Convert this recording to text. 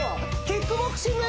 キックボクシング？